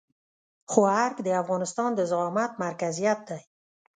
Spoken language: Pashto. خو ارګ د افغانستان د زعامت مرکزيت دی.